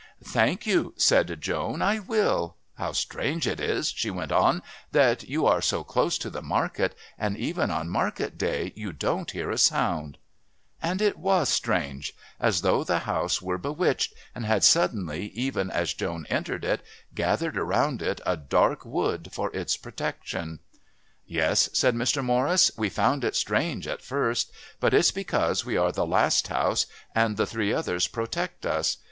"Thank you," said Joan. "I will. How strange it is," she went on, "that you are so close to the market and, even on market day, you don't hear a sound!" And it was strange! as though the house were bewitched and had suddenly, even as Joan entered it, gathered around it a dark wood for its protection. "Yes," said Mr. Morris. "We found it strange at first. But it's because we are the last house, and the three others protect us.